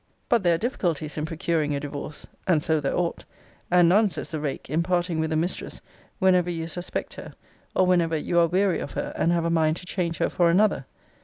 But there are difficulties in procuring a divorce [and so there ought] and none, says the rake, in parting with a mistress whenever you suspect her; or whenever you are weary of her, and have a mind to change her for another.